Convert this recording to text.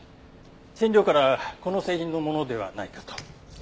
染料からこの製品のものではないかと。